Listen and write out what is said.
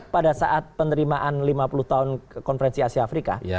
pada saat penerimaan lima puluh tahun konferensi asia afrika